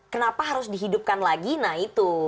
kenapa harus dihidupkan lagi nah itu